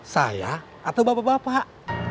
saya atau bapak bapak